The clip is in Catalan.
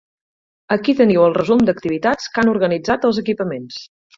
Aquí teniu el resum d'activitats que han organitzat els equipaments.